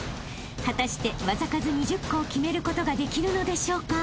［果たして技数２０個を決めることができるのでしょうか］